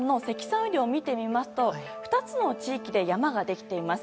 雨量を見てみますと２つの地域で山ができています。